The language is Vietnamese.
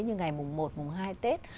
như ngày mùng một mùng hai tết